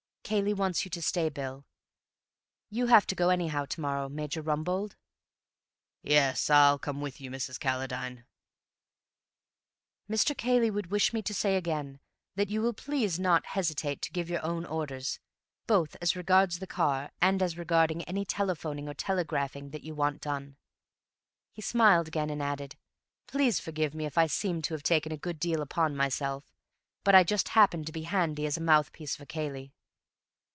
"Cayley wants you to stay, Bill. You have to go anyhow, to morrow, Major Rumbold?" "Yes. I'll come with you, Mrs. Calladine." "Mr. Cayley would wish me to say again that you will please not hesitate to give your own orders, both as regard the car and as regard any telephoning or telegraphing that you want done." He smiled again and added, "Please forgive me if I seem to have taken a good deal upon myself, but I just happened to be handy as a mouthpiece for Cayley."